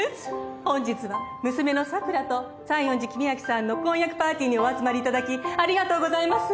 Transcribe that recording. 本日は娘の桜と西園寺公明さんの婚約パーティーにお集まり頂きありがとうございます。